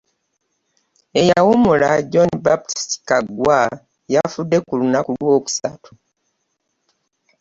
Eyawummula John Baptist Kaggwa yafudde ku lunaku Lwokusatu